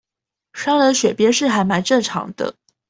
商人選邊是還蠻正常的